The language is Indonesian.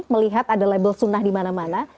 melihat ada label sunnah dimana mana